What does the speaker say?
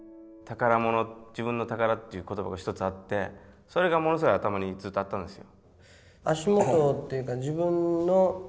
宝物自分の宝っていう言葉が一つあってそれがものすごい頭にずっとあったんです。